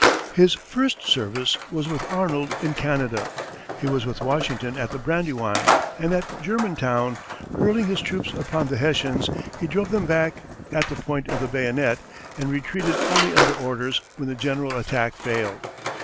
His first service was with Arnold in Canada; he was with Washington at the Brandywine; and at Germantown, hurling his troops upon the Hessians, he drove them back at the point of the bayonet, and retreated only under orders when the general attack failed.